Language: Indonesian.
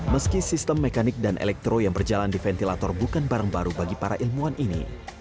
meski sistem mekanik dan elektro yang berjalan di ventilator bukan barang baru bagi para ilmuwan ini